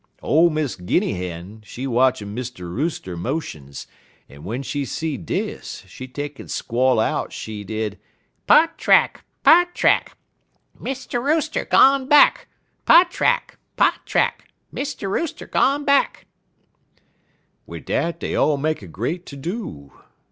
Ole Miss Guinny Hen, she watchin' Mr. Rooster motions, en w'en she see dis, she take'n squall out, she did: "'Pot rack! Pot rack! Mr. Rooster gone back! Pot rack! Pot rack! Mr. Rooster gone back!' "Wid dat dey all make a great ter do.